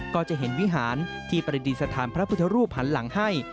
ก็จะเห็นวิหารที่ประดิษฐานพระพุทธรูปหันหลังให้